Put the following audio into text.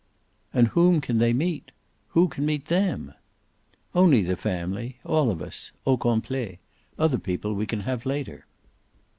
"And whom can they meet who can meet THEM?" "Only the family all of us: au complet. Other people we can have later."